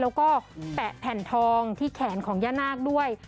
แล้วก็แปะแผ่นทองที่แขนของย่านาคด้วย